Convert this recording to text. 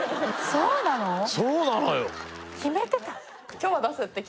そうなのよ